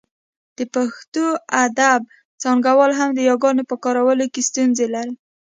د پښتو ادب څانګوال هم د یاګانو په کارونه کې ستونزه لري